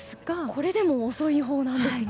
これでも遅いほうなんですね。